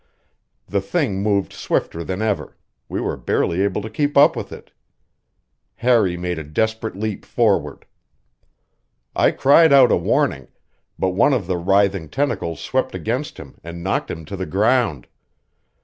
The thing moved swifter than ever; we were barely able to keep up with it. Harry made a desperate leap forward. I cried out a warning, but one of the writhing tentacles swept against him and knocked him to the ground.